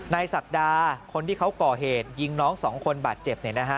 ศักดาคนที่เขาก่อเหตุยิงน้องสองคนบาดเจ็บ